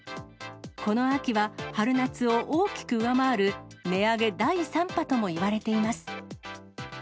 この秋は春夏を大きく上回る、値上げ第３波ともいわれています。